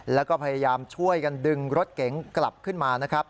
แล้วก็พยายามช่วยกันดึงรถเก๋งกลับขึ้นมานะครับ